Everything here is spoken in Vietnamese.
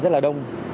rất là đông